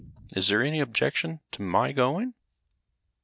Is there any objection to my going?"